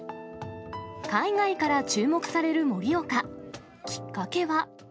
海外から注目される盛岡。きっかけは。